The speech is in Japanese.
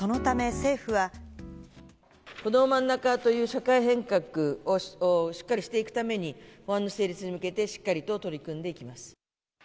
こどもまんなかという社会変革をしっかりしていくために、法案の成立に向けてしっかりと取り組んでいきます。